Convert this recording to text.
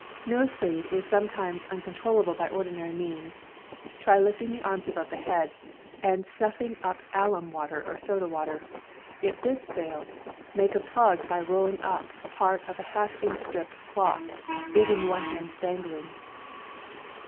Nosebleed is sometimes uncontrollable by ordinary means. Try lifting the arms above the head and snuffing up alum water or salt water. If this fails, make a plug by rolling up part of a half inch strip of cloth, leaving one end dangling.